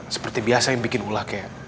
seperti biasa yang bikin ulah kayak